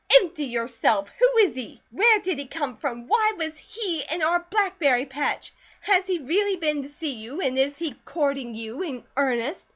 "Empty yourself! Who is he? Where did he come from? WHY was he IN our blackberry patch? Has he really been to see you, and is he courting you in earnest?